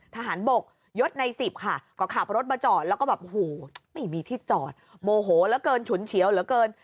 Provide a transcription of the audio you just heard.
ทหารบกยศใน๑๐ค่ะก็ขับรถมาจอดแล้วก็แบบโอ้โหไม่มีที่จอดโมโหเหลือเกินฉุนเฉียวเหลือเกิน